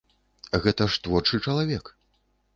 Гэта ж творчы чалавек!